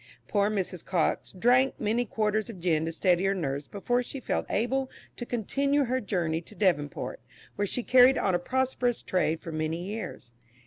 Poor Mrs. Cox drank many quarterns of gin to steady her nerves before she felt able to continue her journey to Devonport, where she carried on a prosperous trade for many years.